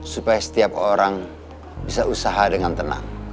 supaya setiap orang bisa usaha dengan tenang